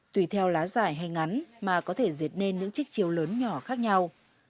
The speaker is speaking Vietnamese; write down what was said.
tùy theo lá dài hay ngắn mà có thể giật nên những chiếc chiếu lớn nhỏ khác nhau